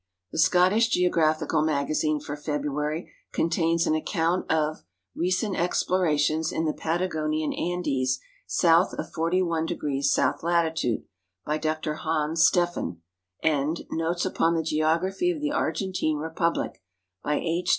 " The Scottish Geographical INIagazine" for Febimary contains an ac count of " Recent Explorations in *the Patagonian AndtJl South of 41° South Latitude," by Dr Hans Stefien, and "Notes upon the Geography of the Argentine Repuhlic," by H.